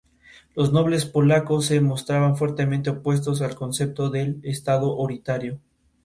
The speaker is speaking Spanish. Los nobles polacos se mostraban fuertemente opuestos al concepto del estado autoritario.